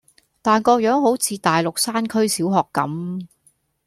但個樣好似大陸山區小學咁⠀